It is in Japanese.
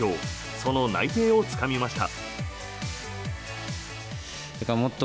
その内定をつかみました。